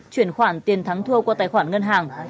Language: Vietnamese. chuyển khoản tiền thắng thua qua tài khoản ngân hàng